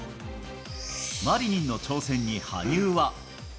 マリニンの挑戦に羽生は。